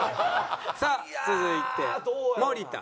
さあ続いて森田。